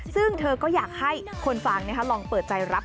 ซึ่งเธอก็อยากให้คนฟังลองเปิดใจรับ